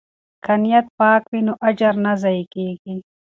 که نیت پاک وي نو اجر نه ضایع کیږي.